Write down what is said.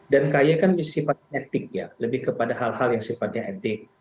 dan kay kan sifatnya etik ya lebih kepada hal hal yang sifatnya etik